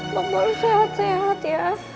mama baru sehat sehat ya